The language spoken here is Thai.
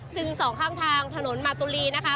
ซึ่งสองข้างทางถนนมาตุลีนะคะ